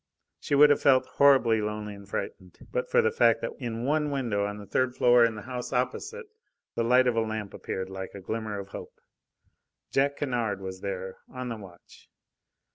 She would have felt horribly lonely and frightened but for the fact that in one window on the third floor in the house opposite the light of a lamp appeared like a glimmer of hope. Jack Kennard was there, on the watch.